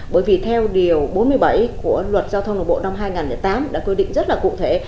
bởi vì theo điều bốn mươi bảy của luật giao thông đường bộ năm hai nghìn tám đã quy định rất là cụ thể